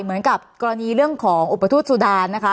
เหมือนกับกรณีเรื่องของอุปทูตสุดานนะคะ